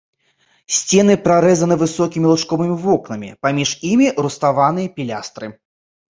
Сцены прарэзаны высокімі лучковымі вокнамі, паміж імі руставаныя пілястры.